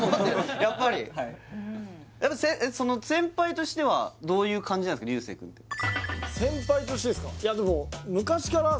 やっぱりはい先輩としてはどういう感じなんですか